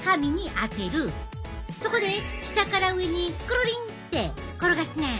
そこで下から上にクルリンって転がすねん。